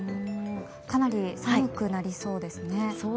かなり寒くなりそうですね。